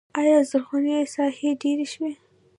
آیا زرغونې ساحې ډیرې شوي؟